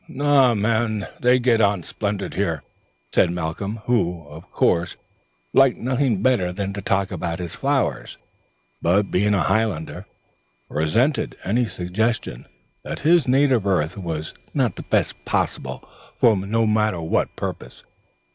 "Na fie, man, they get on splendid here," said Malcolm. He liked nothing better than to talk about his flowers, but, being a Highlander, resented any suggestion that his native earth was not the best possible for no matter what purpose.